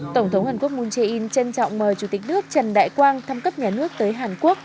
tổng thống hàn quốc moon jae in trân trọng mời chủ tịch nước trần đại quang thăm cấp nhà nước tới hàn quốc